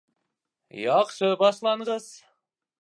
Яҡшы башланғыс